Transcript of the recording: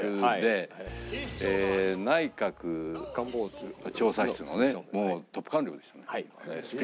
内閣調査室のねトップ官僚ですよね。